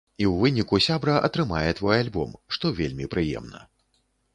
І ў выніку сябра атрымае твой альбом, што вельмі прыемна.